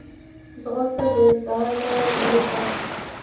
ځغاسته د سحر نوی امید ده